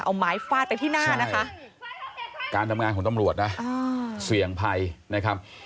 เอาไม้ฟาดไปที่หน้านะคะการทำงานของตำรวจนะเสี่ยงภัยนะครับ